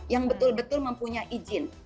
yang betul betul mempunyai izin